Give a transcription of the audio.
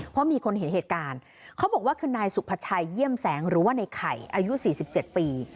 เพราะมีคนเห็นเหตุการณ์เขาบอกว่าคือนายสุภาชัยเยี่ยมแสงหรือว่าในไข่อายุ๔๗ปี